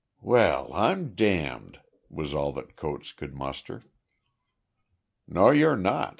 "Well I'm damned!" was all that Coates could muster. "No you're not.